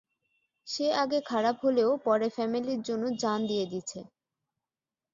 সে আগে খারাপ হলেও, পরে ফ্যামিলির জন্য জান দিয়ে দিছে।